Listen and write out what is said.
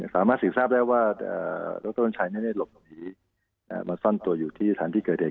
สามารถสินทราบได้ว่าโรคต้นชายนั่นเนี่ยหลบหนีมาสั้นตัวอยู่ที่ฐานที่เกิดเด็ก